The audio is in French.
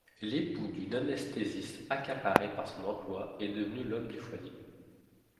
L'époux d'une anesthésiste accaparée par son emploi est devenu l'homme du foyer.